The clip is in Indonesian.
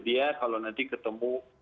dia kalau nanti ketemu